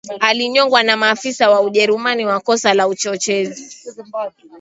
Alinyongwa na maafisa wa Ujerumani kwa kosa la uchochezi